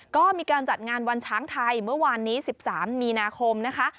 ก็มีการจัดงานวันช้างไทยเมื่อวานนี้๑๓มีนาคมนะคะ